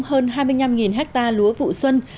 hơn hai mươi năm ha lúa vụ xuân